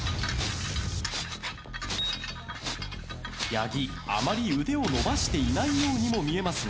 八木あまり腕を伸ばしていないようにも見えますが。